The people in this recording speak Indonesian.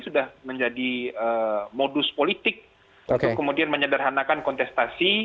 sudah menjadi modus politik untuk kemudian menyederhanakan kontestasi